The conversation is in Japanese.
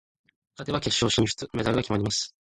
勝てば決勝進出、メダルが決まります。